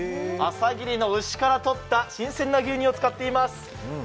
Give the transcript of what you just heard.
朝霧の牛からとった新鮮な牛乳を使っています。